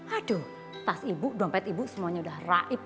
aduh tas ibu dompet ibu semuanya udah raib